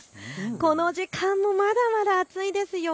この時間もまだまだ暑いですよ。